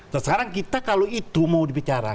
sekarang kita kalau itu mau dibicarakan